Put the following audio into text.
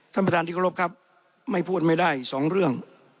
ท่านประธานดิกรบครับไม่พูดไม่ได้๒เรื่อง